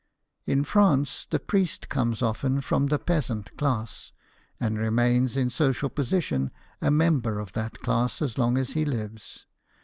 In France, the priest comes often from the peasant class, and remains in social position a member of that class as long as he lives.